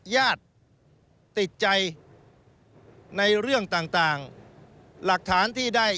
ญาติติดใจในเรื่องต่างหลักฐานที่ได้